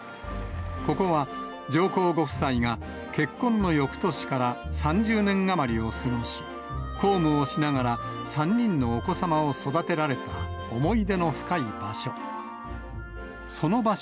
ここは上皇ご夫妻が結婚のよくとしから３０年余りを過ごし、公務をしながら３人のお子様を育てられた思い出の深い場所。